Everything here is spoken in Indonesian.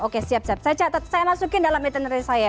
oke siap siap saya catat saya masukin dalam etinery saya